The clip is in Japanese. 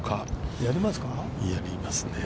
◆やりますね。